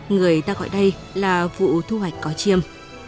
người ta gọi đây là vụ thu hoạch có chiêm